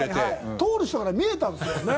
通る人から見えたんですもんね。